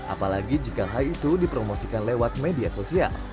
apalagi jika hal itu dipromosikan lewat media sosial